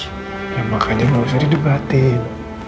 ya makanya gak usah di debatin